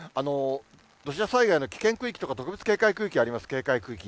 土砂災害の危険区域とか、特別警戒区域があります、警戒区域。